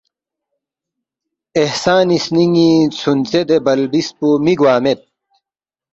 احسانی سنینی ژھونژے دے بلبس پو می گوا مید